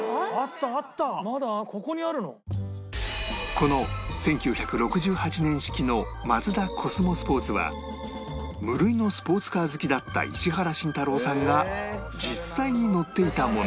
この１９６８年式のマツダコスモスポーツは無類のスポーツカー好きだった石原慎太郎さんが実際に乗っていたもの